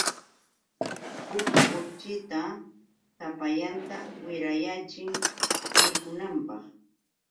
Huk kuchita sapallanta wirayaachin mikunanpaq.